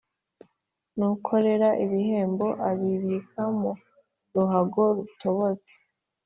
N ukorera ibihembo abibika mu ruhago rutobotse